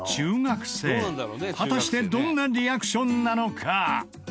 果たしてどんなリアクションなのか？